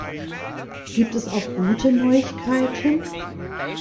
Gibt es auch gute Neuigkeiten?